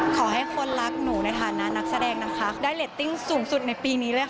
ขอให้คนรักหนูในฐานะนักแสดงนะคะได้เรตติ้งสูงสุดในปีนี้เลยค่ะ